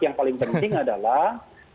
yang paling penting adalah